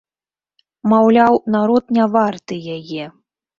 Маўляў, народ не варты яе.